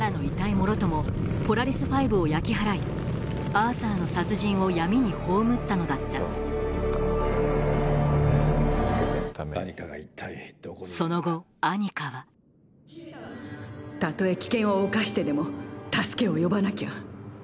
もろともポラリス５を焼き払いアーサーの殺人を闇に葬ったのだったその後アニカはたとえ危険を冒してでも助けを呼ばなきゃ。